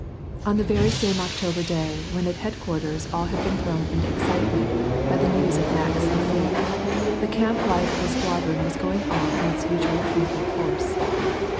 On the very same October day, when at headquarters all had been thrown into excitement by the news of Mack's defeat, the camp life of the squadron was going on in its usual tran quil course.